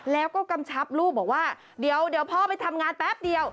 แล้วก็กำชับลูกบอกว่าเดี๋ยวพ่อไปทำงานแป๊บเดียว